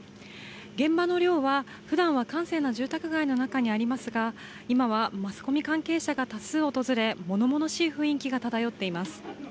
現場の寮は、普段は閑静な住宅街の中にありますが、今はマスコミ関係者が多数訪れものものしい雰囲気が漂っています。